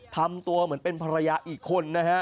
ทำตัวเหมือนเป็นภรรยาอีกคนนะฮะ